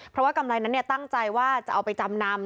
เพราะว่ากำไรนั้นตั้งใจว่าจะเอาไปจำนำ